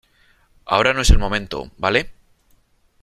ahora no es el momento ,¿ vale ?